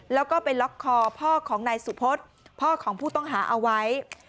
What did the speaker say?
แล้วก็ไปล็อกคอพ่อของนายสุพศพ่อของผู้ต้องหาเอาไว้